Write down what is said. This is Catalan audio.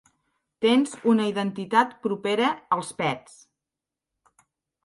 Tens una identitat propera als Pets.